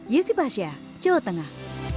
yusif asia jawa tengah